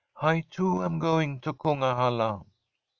I, too, am going to Kungahalla.'